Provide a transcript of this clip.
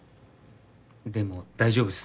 でも大丈夫っす。